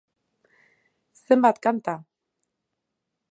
Zenbat kanta!